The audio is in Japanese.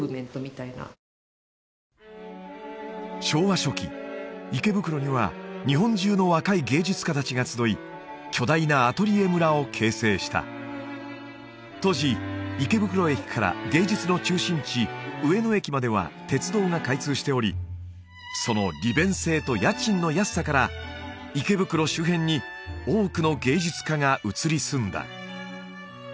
昭和初期池袋には日本中の若い芸術家達が集い巨大なアトリエ村を形成した当時池袋駅から芸術の中心地上野駅までは鉄道が開通しておりその利便性と家賃の安さから池袋周辺に多くの芸術家が移り住んだ